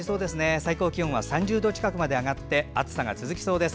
最高気温は３０度近くまで上がって暑さが続きそうです。